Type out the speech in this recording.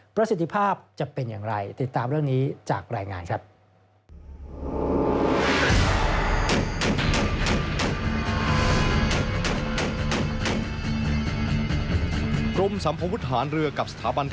ประสิทธิภาพจะเป็นอย่างไรติดตามเรื่องนี้จากรายงานครับ